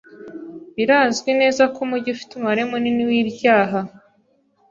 Birazwi neza ko umujyi ufite umubare munini wibyaha.